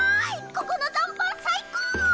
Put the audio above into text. ここの残飯最高！